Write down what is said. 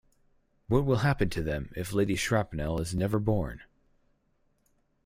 What will happen to them if Lady Schrapnell is never born?